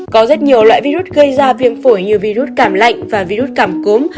có rất nhiều loại virus gây ra viêm phổi như virus cảm lạnh và virus cảm cúm